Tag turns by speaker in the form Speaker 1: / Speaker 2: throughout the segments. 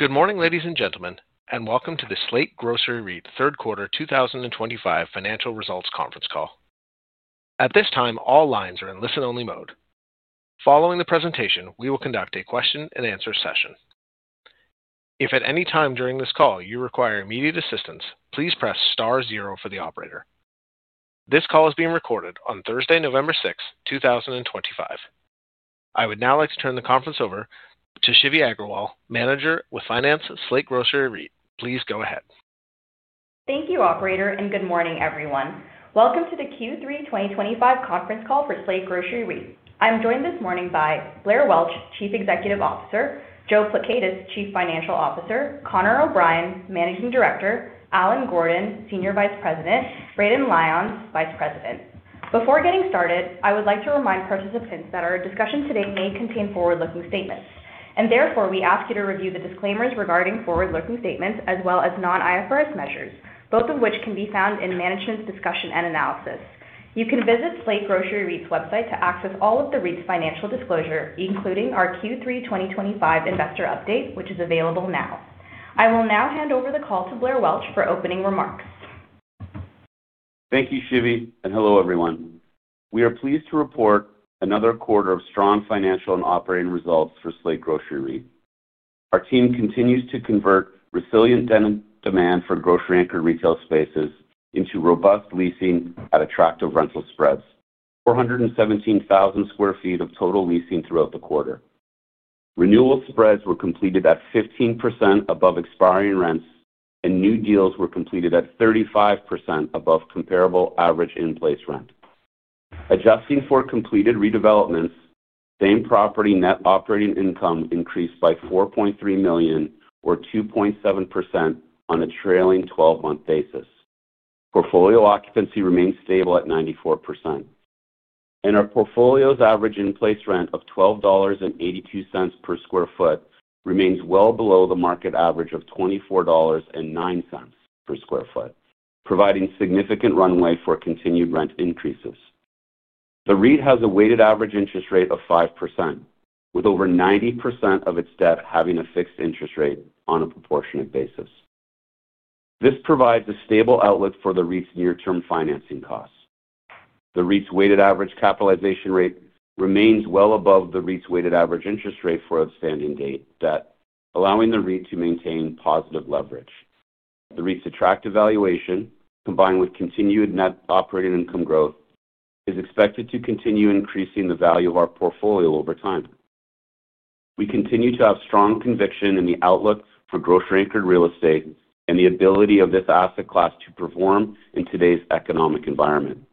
Speaker 1: Good morning, ladies and gentlemen, and welcome to the Slate Grocery REIT third quarter 2025 financial results conference call. At this time, all lines are in listen-only mode. Following the presentation, we will conduct a question-and-answer session. If at any time during this call you require immediate assistance, please press star zero for the operator. This call is being recorded on Thursday, November 6th, 2025. I would now like to turn the conference over to Shivi Agarwal, Manager with Finance, Slate Grocery REIT. Please go ahead.
Speaker 2: Thank you, Operator, and good morning, everyone. Welcome to the Q3 2025 conference call for Slate Grocery REIT. I'm joined this morning by Blair Welch, Chief Executive Officer; Joe Pleckaitis, Chief Financial Officer; Connor O'Brien, Managing Director; Allen Gordon, Senior Vice President; Braden Lyons, Vice President. Before getting started, I would like to remind participants that our discussion today may contain forward-looking statements, and therefore we ask you to review the disclaimers regarding forward-looking statements as well as non-IFRS measures, both of which can be found in management's discussion and analysis. You can visit Slate Grocery REIT's website to access all of the REIT's financial disclosure, including our Q3 2025 investor update, which is available now. I will now hand over the call to Blair Welch for opening remarks.
Speaker 3: Thank you, Shivi, and hello, everyone. We are pleased to report another quarter of strong financial and operating results for Slate Grocery. Our team continues to convert resilient demand for grocery-anchored retail spaces into robust leasing at attractive rental spreads: 417,000 sq ft of total leasing throughout the quarter. Renewal spreads were completed at 15% above expiring rents, and new deals were completed at 35% above comparable average in-place rent. Adjusting for completed redevelopments, same property net operating income increased by $4.3 million, or 2.7%, on a trailing 12-month basis. Portfolio occupancy remains stable at 94%. Our portfolio's average in-place rent of $12.82 per sq ft remains well below the market average of $24.09 per sq ft, providing significant runway for continued rent increases. The REIT has a weighted average interest rate of 5%, with over 90% of its debt having a fixed interest rate on a proportionate basis. This provides a stable outlook for the REIT's near-term financing costs. The REIT's weighted average capitalization rate remains well above the REIT's weighted average interest rate for outstanding debt, allowing the REIT to maintain positive leverage. The REIT's attractive valuation, combined with continued net operating income growth, is expected to continue increasing the value of our portfolio over time. We continue to have strong conviction in the outlook for grocery-anchored real estate and the ability of this asset class to perform in today's economic environment.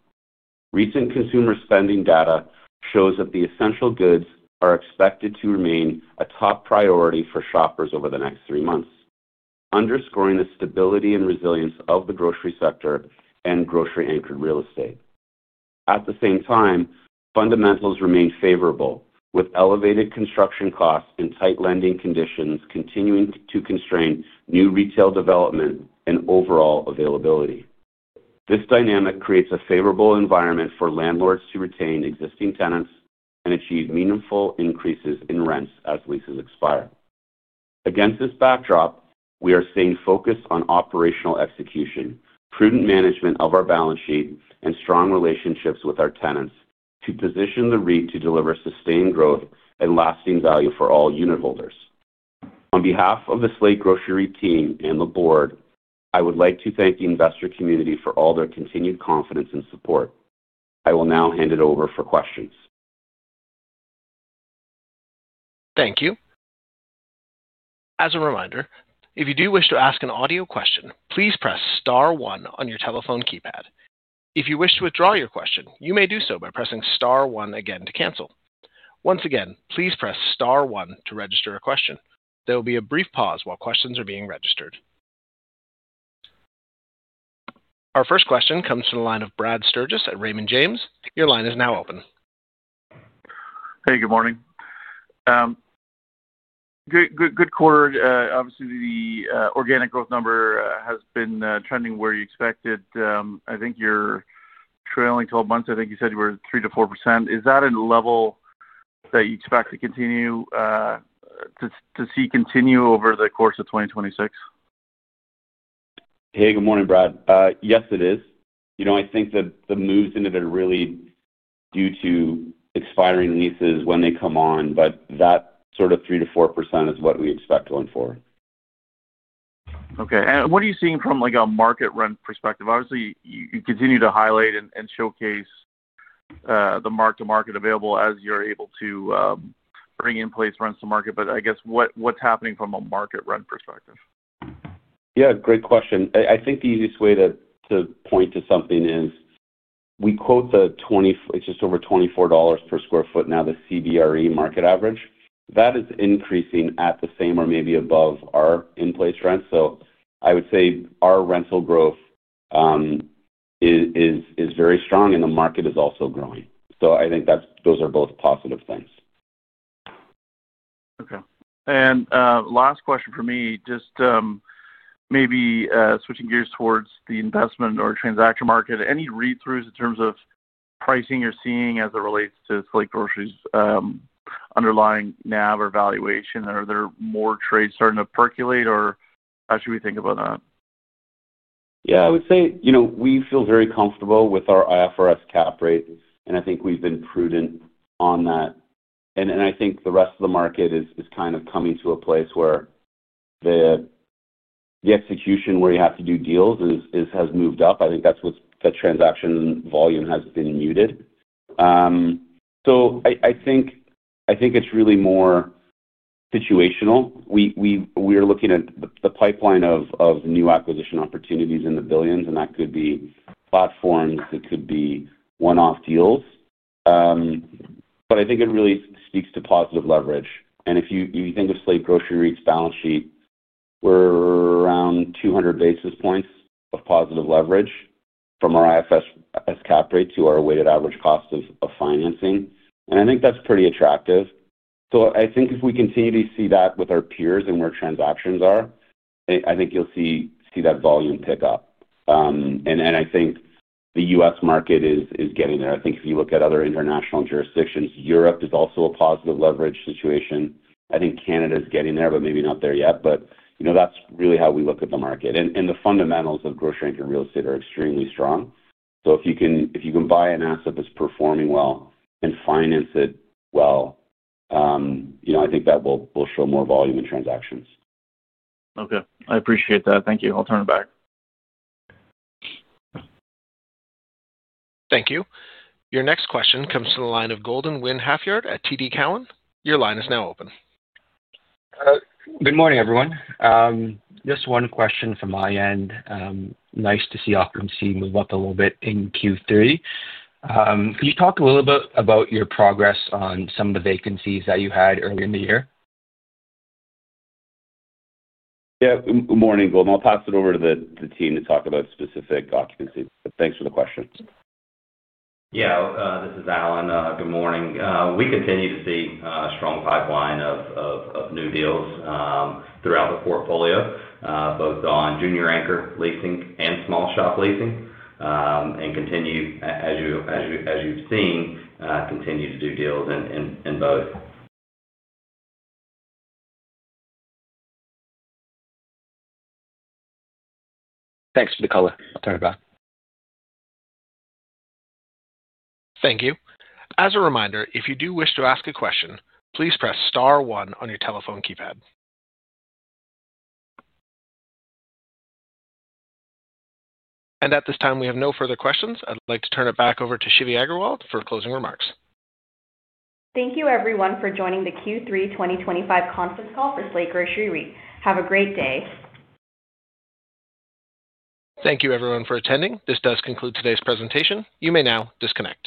Speaker 3: Recent consumer spending data shows that the essential goods are expected to remain a top priority for shoppers over the next three months, underscoring the stability and resilience of the grocery sector and grocery-anchored real estate. At the same time, fundamentals remain favorable, with elevated construction costs and tight lending conditions continuing to constrain new retail development and overall availability. This dynamic creates a favorable environment for landlords to retain existing tenants and achieve meaningful increases in rents as leases expire. Against this backdrop, we are seeing focus on operational execution, prudent management of our balance sheet, and strong relationships with our tenants to position the REIT to deliver sustained growth and lasting value for all unit holders. On behalf of the Slate Grocery team and the board, I would like to thank the investor community for all their continued confidence and support. I will now hand it over for questions.
Speaker 1: Thank you. As a reminder, if you do wish to ask an audio question, please press star one on your telephone keypad. If you wish to withdraw your question, you may do so by pressing star one again to cancel. Once again, please press star one to register a question. There will be a brief pause while questions are being registered. Our first question comes from the line of Brad Sturges at Raymond James. Your line is now open.
Speaker 4: Hey, good morning. Good quarter. Obviously, the organic growth number has been trending where you expected. I think your trailing 12 months, I think you said you were at 3%-4%. Is that a level that you expect to continue to see continue over the course of 2026?
Speaker 3: Hey, good morning, Brad. Yes, it is. I think that the moves into the really due to expiring leases when they come on, but that sort of 3%-4% is what we expect going forward.
Speaker 4: Okay. What are you seeing from a market-rent perspective? Obviously, you continue to highlight and showcase the mark-to-market available as you're able to bring in-place rents to market. I guess what's happening from a market-rent perspective?
Speaker 3: Yeah, great question. I think the easiest way to point to something is we quote the 20, it's just over $24 per sq ft now, the CBRE market average. That is increasing at the same or maybe above our in-place rent. I would say our rental growth is very strong, and the market is also growing. I think those are both positive things.
Speaker 4: Okay. Last question for me, just maybe switching gears towards the investment or transaction market, any read-throughs in terms of pricing you're seeing as it relates to Slate Grocery's underlying NAV or valuation? Are there more trades starting to percolate, or how should we think about that?
Speaker 3: Yeah, I would say we feel very comfortable with our IFRS cap rate, and I think we've been prudent on that. I think the rest of the market is kind of coming to a place where the execution where you have to do deals has moved up. I think that's why the transaction volume has been muted. I think it's really more situational. We are looking at the pipeline of new acquisition opportunities in the billions, and that could be platforms, it could be one-off deals. I think it really speaks to positive leverage. If you think of Slate Grocery balance sheet, we're around 200 basis points of positive leverage from our IFRS cap rate to our weighted average cost of financing. I think that's pretty attractive. I think if we continue to see that with our peers and where transactions are, I think you'll see that volume pick up. I think the U.S. market is getting there. I think if you look at other international jurisdictions, Europe is also a positive leverage situation. I think Canada is getting there, but maybe not there yet. That's really how we look at the market. The fundamentals of grocery-anchored real estate are extremely strong. If you can buy an asset that's performing well and finance it well, I think that will show more volume in transactions.
Speaker 4: Okay. I appreciate that. Thank you. I'll turn it back.
Speaker 1: Thank you. Your next question comes from the line of Golden Nguyen-Half Yard at TD Cowen. Your line is now open.
Speaker 5: Good morning, everyone. Just one question from my end. Nice to see occupancy move up a little bit in Q3. Can you talk a little bit about your progress on some of the vacancies that you had earlier in the year?
Speaker 3: Yeah. Good morning, Golden. I'll pass it over to the team to talk about specific occupancy. Thanks for the question.
Speaker 6: Yeah. This is Allen. Good morning. We continue to see a strong pipeline of new deals throughout the portfolio, both on junior-anchored leasing and small shop leasing. As you've seen, continue to do deals in both.
Speaker 5: Thanks for the color. I'll turn it back.
Speaker 1: Thank you. As a reminder, if you do wish to ask a question, please press star one on your telephone keypad. At this time, we have no further questions. I'd like to turn it back over to Shivi Agarwal for closing remarks.
Speaker 2: Thank you, everyone, for joining the Q3 2025 conference call for Slate Grocery REIT. Have a great day.
Speaker 1: Thank you, everyone, for attending. This does conclude today's presentation. You may now disconnect.